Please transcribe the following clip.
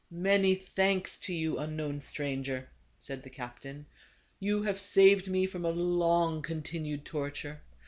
" Many thanks to you, unknown stranger," said the captain, "you have saved me from a long continued torture.